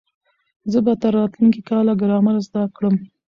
زه به تر راتلونکي کاله ګرامر زده کړم.